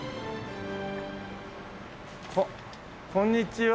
あっこんにちは。